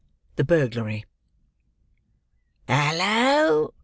THE BURGLARY "Hallo!"